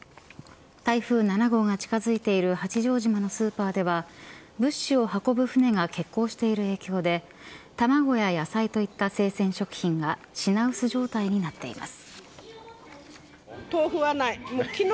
台風７号が近づいている八丈島のスーパーでは物資を運ぶ船が欠航している影響で卵や野菜といった生鮮食品が品薄状態になっています。